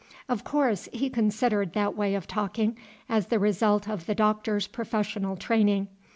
Of course, he considered that way of talking as the result of the Doctor's professional training.